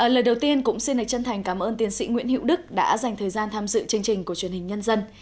lời đầu tiên cũng xin lệch chân thành cảm ơn tiến sĩ nguyễn hữu đức đã dành thời gian tham dự chương trình của truyền hình nhân dân